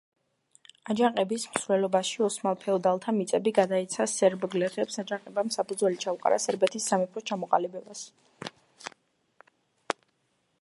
აჯანყების მსვლელობაში ოსმალ ფეოდალთა მიწები გადაეცა სერბ გლეხებს, აჯანყებამ საფუძველი ჩაუყარა სერბეთის სამეფოს ჩამოყალიბებას.